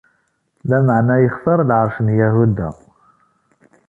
Lameɛna yextar lɛerc n Yahuda.